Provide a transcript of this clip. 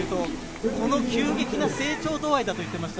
この急激な成長度合いだと言っていました。